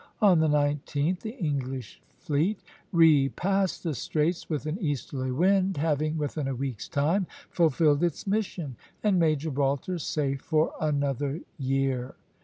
On the 19th the English fleet repassed the straits with an easterly wind, having within a week's time fulfilled its mission, and made Gibraltar safe for another year.